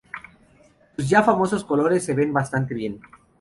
Sus ya famosos colores se ven bastante bien.